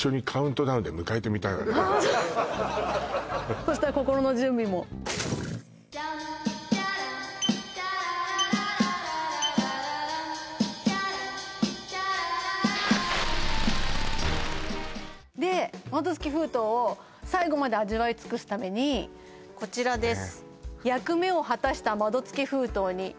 そしたら心の準備もで窓付き封筒を最後まで味わい尽くすためにこちらです